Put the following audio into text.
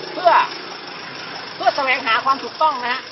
เพื่อเพื่อแสวงหาความถูกต้องนะฮะ